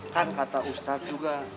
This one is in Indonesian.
kan kata ustadz juga